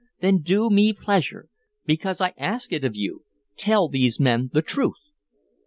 "Then do me pleasure. Because I ask it of you, tell these men the truth."